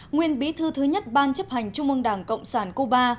nguyên bí thư thứ nhất ban chấp hành trung mương đảng cộng sản cuba